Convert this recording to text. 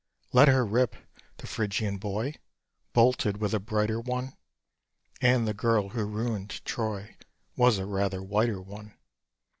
Let her rip! the Phrygian boy Bolted with a brighter one; And the girl who ruined Troy Was a rather whiter one.